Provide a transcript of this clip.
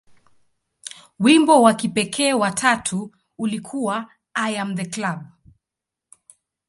Wimbo wa kipekee wa tatu ulikuwa "I Am The Club".